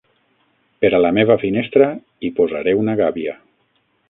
Per a la meva finestra, hi posaré una gàbia